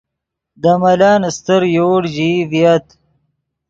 دے ملن استر یوڑ ژیئی ڤییت